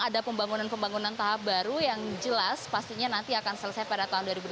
ada pembangunan pembangunan tahap baru yang jelas pastinya nanti akan selesai pada tahun dua ribu delapan belas